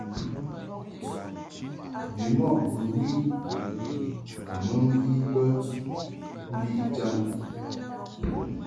Bimɔʼ bɨwi kɨ mɨ mvi bə mbi jaŋ.